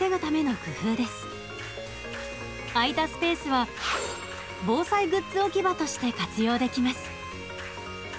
空いたスペースは防災グッズ置き場として活用できます。